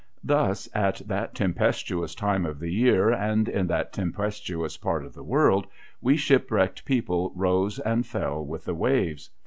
Thus, at that tempestuous time of the year, and in that tem jiestuous part of the world, we shipwrecked people rose and fell with the waves.